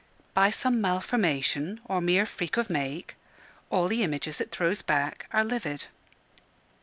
By some malformation or mere freak of make, all the images it throws back are livid.